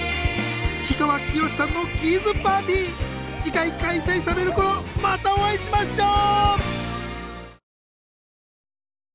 氷川きよしさんの「ｋｉｉ’ｓパーティー」次回開催される頃またお会いしましょう！